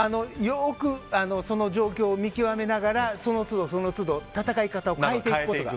よく、その状況を見極めながらその都度戦い方を変えていくことが。